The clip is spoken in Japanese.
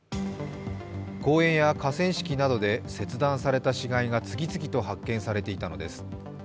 公園や河川敷などで切断された死骸が次々と発見されていたのです。